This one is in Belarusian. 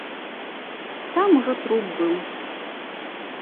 Там ужо труп быў.